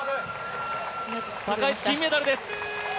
高市、金メダルです。